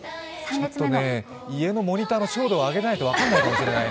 家のモニターの照度を上げないと分かんないかもしれない。